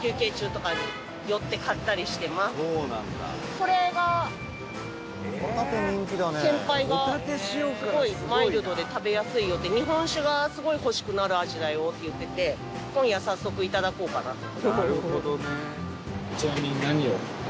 これが、先輩が「すごいマイルドで食べやすいよ」って「日本酒が、すごい欲しくなる味だよ」って言ってて今夜、早速いただこうかなと。